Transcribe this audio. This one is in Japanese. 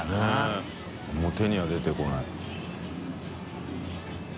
佑表には出てこない。